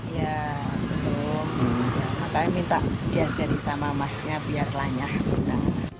iya belum makanya minta diajari sama masnya biar lanyah bisa